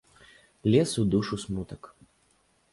Лез у душу смутак.